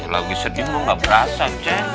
lagi sedih emang nggak berasa cahin